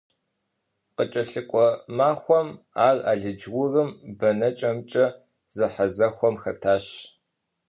КъыкӀэлъыкӀуэ махуэм ар алыдж-урым бэнэкӀэмкӀэ зэхьэзэхуэм хэтащ.